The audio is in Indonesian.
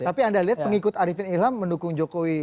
tapi anda lihat pengikut arifin ilham mendukung jokowi